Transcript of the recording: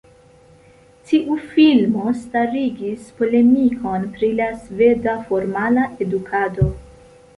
Tiu filmo starigis polemikon pri la sveda formala edukado.